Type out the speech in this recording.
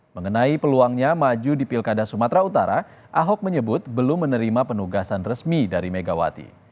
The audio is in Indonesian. mengenai peluangnya maju di pilkada sumatera utara ahok menyebut belum menerima penugasan resmi dari megawati